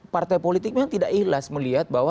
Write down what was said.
partai politik memang tidak ikhlas melihat bahwa